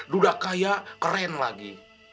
muda kaya keren lagi